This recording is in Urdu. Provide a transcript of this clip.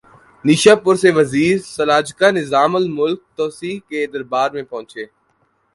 نیشا پور سے وزیر سلاجقہ نظام الملک طوسی کے دربار میں پہنچے